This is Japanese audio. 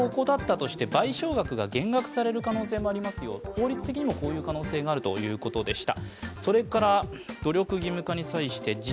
法律的にもこういう可能性があるということでした。